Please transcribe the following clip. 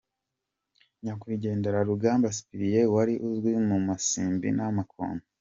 Nyakwigendera Rugamba Cyprien wari uzwi mu Masimbi n'amakombe.